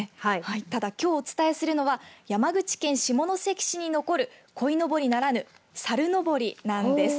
ただ、きょうお伝えするのは山口県下関市に残るこいのぼりならぬ猿のぼりなんです。